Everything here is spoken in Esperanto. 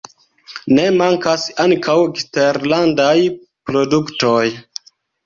Ne mankas ankaŭ eksterlandaj produktoj.